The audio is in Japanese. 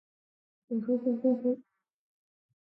ほほほほほっ h